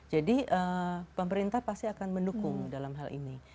jadi pemerintah pasti akan mendukung dalam hal ini